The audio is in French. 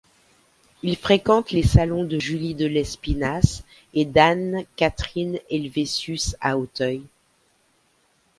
Il fréquente les salons de Julie de Lespinasse et d’Anne-Catherine Helvétius à Auteuil.